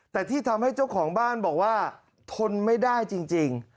แต่ที่ทำให้เจ้าของบ้านบอกว่าทนไม่ได้จริง